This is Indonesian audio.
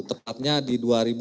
tepatnya di dua ribu tujuh belas